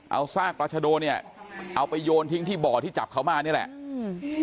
เอาซากปราชโดเนี่ยเอาไปโยนทิ้งที่บ่อที่จับเขามานี่แหละอืม